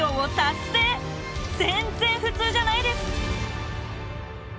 全然普通じゃないです！